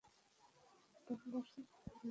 Douglas Booth এবং Jamie Dornan সেখানে উপস্থিত থাকবেন।